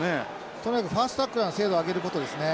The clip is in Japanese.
とにかくファーストタックルの精度を上げることですね。